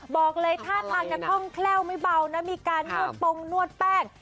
บอกเลยท่าทางจะคล่องแคล่วไม่เบานะมีการนวดปงนวดแป้ง